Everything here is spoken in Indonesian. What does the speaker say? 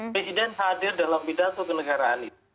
presiden hadir dalam pidato kenegaraan itu